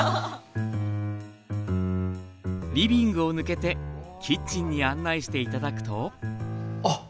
リビングを抜けてキッチンに案内して頂くとあ！